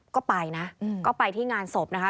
ก็ไปนะก็ไปที่งานศพนะคะ